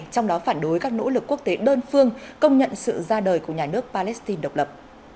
trong đó phản đối các nỗ lực quốc tế đơn phương công nhận sự ra đời của nhà nước palestine độc lập